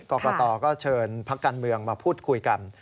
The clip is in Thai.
กรกตก็เชิญพักการเมืองมาพูดคุยกัน